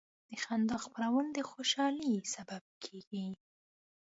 د خندا خپرول د خوشحالۍ سبب کېږي.